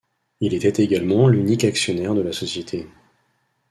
Il était également l'unique actionnaire de la société.